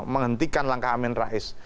menghentikan langkah amin rais